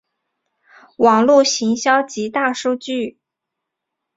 网路行销及大数据